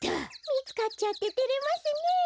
みつかっちゃっててれますねえ。